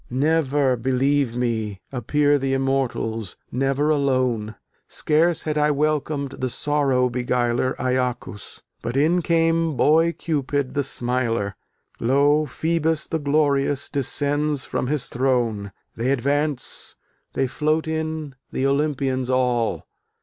Never, believe me, Appear the Immortals, Never alone: Scarce had I welcomed the Sorrow beguiler, Iacchus! but in came Boy Cupid the Smiler; Lo! Phoebus the Glorious descends from his Throne! They advance, they float in, the Olympians all!